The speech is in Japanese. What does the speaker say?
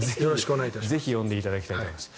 ぜひ読んでいただきたいと思います。